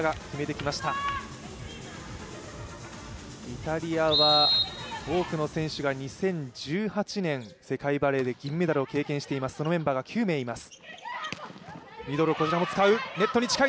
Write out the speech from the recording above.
イタリアは多くの選手が２０１８年世界バレーで銀メダルを経験しています、そのメンバーが９名います。